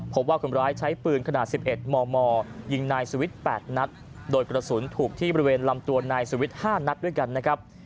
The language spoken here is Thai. พบว่าคนร้ายใช้ปืนขนาด๑๑มมยิงนายสวิทย์๘นัดโดยกระสุนถูกที่บริเวณลำตัวนายสุวิทย์๕นัดด้วยกันนะครับ